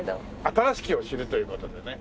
新しきを知るという事でね。